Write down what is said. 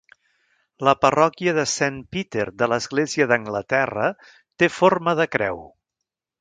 La parròquia de Saint Peter de l'Església d'Anglaterra té forma de creu.